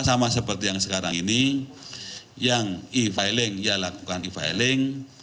sama seperti yang sekarang ini yang e filing ya lakukan e filing